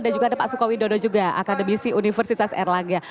dan juga ada pak sukowidodo juga akademisi universitas erlangga